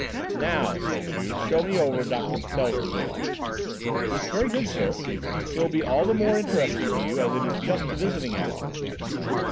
"Now," said Juve, "show me over Doctor Patel's division." "Very good, sir. It will be all the more interesting to you, as it is just the visiting hour."